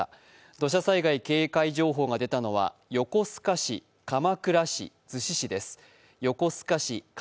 土砂災害警戒情報が出たのは横須賀市、鎌倉市、逗子市です。